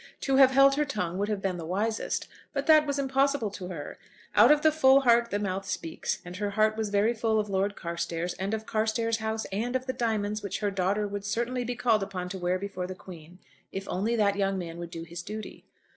To have held her tongue would have been the wisest, but that was impossible to her. Out of the full heart the mouth speaks, and her heart was very full of Lord Carstairs and of Carstairs House, and of the diamonds which her daughter would certainly be called upon to wear before the Queen, if only that young man would do his duty.